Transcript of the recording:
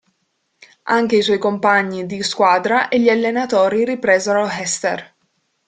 Anche i suoi compagni di squadra e gli allenatori ripresero Hester.